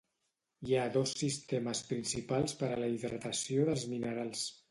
Hi ha dos sistemes principals per a la hidratació dels minerals.